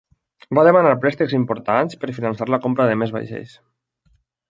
Va demanar préstecs importants per finançar la compra de més vaixells.